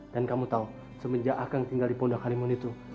dan kamu tahu semenjak akang tinggal di pondok harimau itu